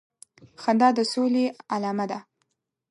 خندا د سولي علامه ده